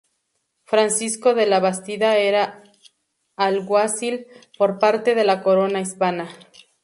Francisco de la Bastida era alguacil por parte de la Corona hispana.